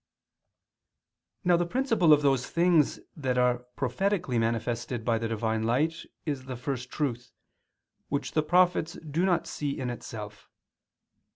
Now the principle of those things that are prophetically manifested by the Divine light is the first truth, which the prophets do not see in itself.